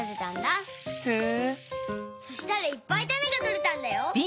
そしたらいっぱいタネがとれたんだよ。